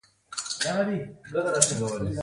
رسوب د افغان ښځو په ژوند کې رول لري.